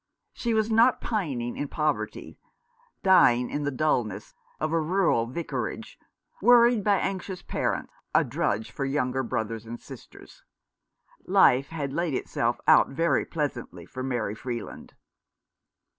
She was not pining in poverty, dying of the dulness of a rural vicarage, worried by anxious parents, a drudge for younger brothers and sisters. Life had laid itself out very pleasantly for Mary Freeland.